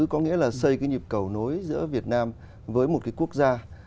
có nghĩa là xây cái nhịp cầu nối giữa việt nam với một cái quốc gia